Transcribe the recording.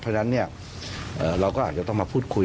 เพราะฉะนั้นเราก็อาจจะต้องมาพูดคุย